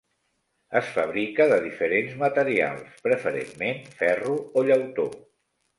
Es fabrica de diferents materials, preferentment ferro o llautó.